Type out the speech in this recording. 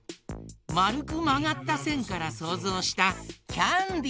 まるくまがったせんからそうぞうしたキャンディー。